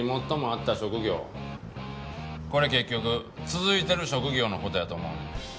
これ結局続いてる職業の事やと思うねん。